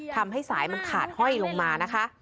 ทำให้สายมันขาดห้อยลงมานะคะ